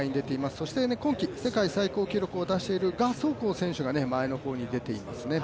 そして今季世界最高記録を出している賀相紅選手が前の方に出ていますね。